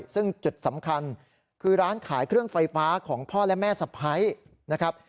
ซึ่งจุดสำคัญคือร้านขายเครื่องไฟฟ้าของพ่อและแม่สะพ้ายนะครับ